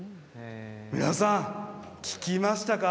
皆さん、聞きましたか？